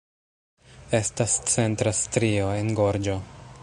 Estas centra strio en gorĝo.